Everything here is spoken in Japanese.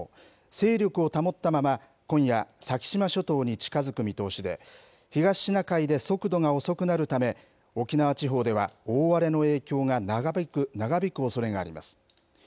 勢力を保ったまま、今夜、先島諸島に近づく見込みで、東シナ海で速度が遅くなるため、沖縄地方では大荒れの影響が長引くおそれがあります。